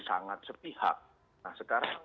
sangat sepihak nah sekarang